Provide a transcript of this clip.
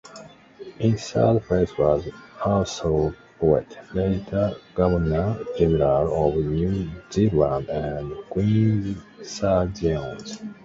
In third place was Arthur Porritt, later Governor-General of New Zealand and Queen's Surgeon.